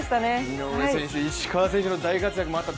井上選手、石川選手の大活躍もあった。